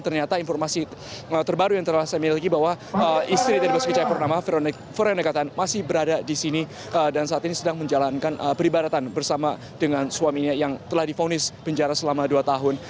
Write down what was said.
ternyata informasi terbaru yang telah saya miliki bahwa istri dari basuki cahayapurnama veronika tan masih berada di sini dan saat ini sedang menjalankan peribadatan bersama dengan suaminya yang telah difonis penjara selama dua tahun